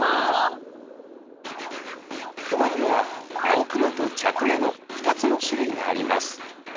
クマには青クマと茶クマの２つの種類があります。